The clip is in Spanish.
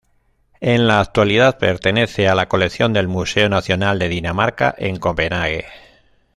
En la actualidad pertenece a la colección del Museo Nacional de Dinamarca en Copenague.